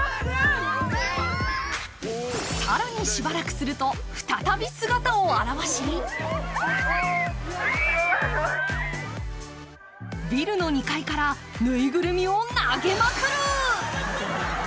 更に、しばらくすると再び姿を現しビルの２階からぬいぐるみを投げまくる。